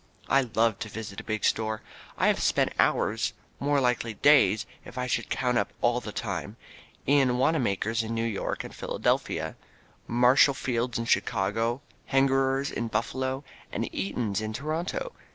I love to visit a big store. I have spent hours, more likely days, if I should count up all the time, in Wanamaker's in New York and Philadelphia, Marshall Field's in Chicago, Hengerer's in Buffalo, and Eaton's in Toronto.